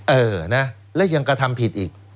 เออนะและยังกระทำผิดอีก